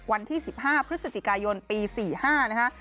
วันที่๑๕พฤศจิกายนปี๔๕นะคะ